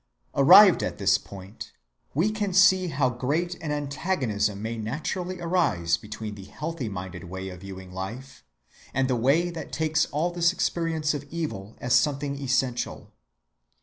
‐‐‐‐‐‐‐‐‐‐‐‐‐‐‐‐‐‐‐‐‐‐‐‐‐‐‐‐‐‐‐‐‐‐‐‐‐ Arrived at this point, we can see how great an antagonism may naturally arise between the healthy‐minded way of viewing life and the way that takes all this experience of evil as something essential.